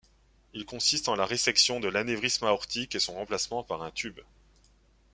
Il consiste en la résection de l'anévrisme aortique et son remplacement par un tube.